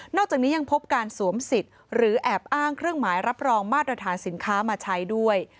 อกจากนี้ยังพบการสวมสิทธิ์หรือแอบอ้างเครื่องหมายรับรองมาตรฐานสินค้ามาใช้ด้วย